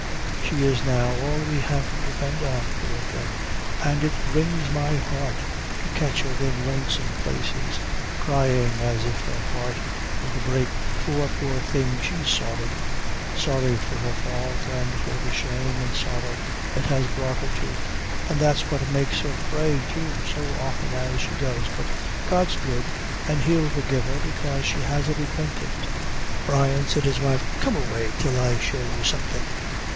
She is now all we have to depend on, poor thing, an' it wrings my heart to catch her in lonesome places, cryin' as if her heart would break; for, poor thing, she's sorry sorry for her fault, an' for the shame an' sorrow it has brought her to; an' that's what makes her pray, too, so often as she does; but God's good, an' he'll forgive her, bekaise she has repented." "Brian," said his wife, "come away till I show you something."